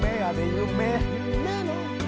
「夢の」